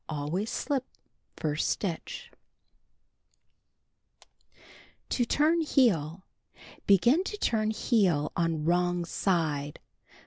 Always slip first stitch. To Turn Heel: Begin to turn heel on wrong side.